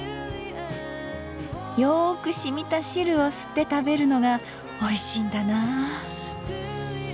よくしみた汁を吸って食べるのがおいしいんだな。